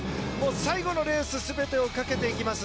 最後のレース全てをかけていきます。